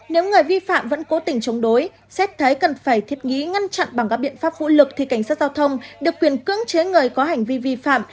nếu người vi phạm vẫn cố tình chống đối xét thấy cần phải thiết nghĩ ngăn chặn bằng các biện pháp vũ lực thì cảnh sát giao thông được quyền cưỡng chế người có hành vi vi phạm